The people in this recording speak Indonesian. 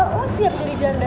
lo siap jadi janda